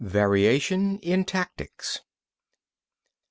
VARIATION OF TACTICS 1.